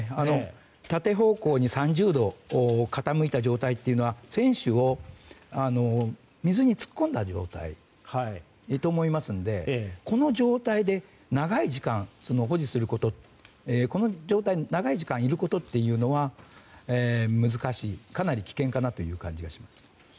縦方向に３０度傾いた状態というのは船首を水に突っ込んだ状態と思いますのでこの状態で長い時間、保持すること長い時間いることというのは難しい、かなり危険かなという感じがします。